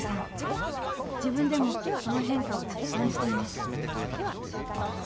自分でもその変化を実感しています。